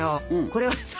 これはさ